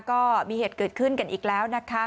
ก็มีเหตุเกิดขึ้นกันอีกแล้วนะคะ